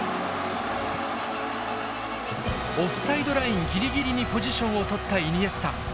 オフサイドラインギリギリにポジションを取ったイニエスタ。